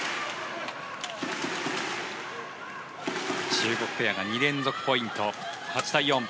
中国ペアが２連続ポイント、８対４。